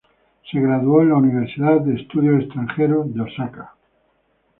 Se graduó en la Universidad de Estudios Extranjeros de Osaka.